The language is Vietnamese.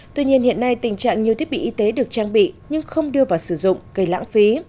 tuy nhiên hiện nay tình trạng nhiều thiết bị y tế được trang bị nhưng không đưa vào sử dụng gây lãng phí